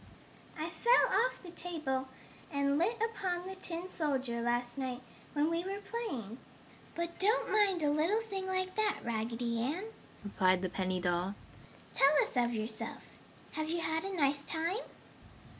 "I fell off the table and lit upon the tin soldier last night when we were playing. But don't mind a little thing like that, Raggedy Ann," replied the penny doll. "Tell us of yourself! Have you had a nice time?"